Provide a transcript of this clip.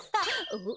おっ！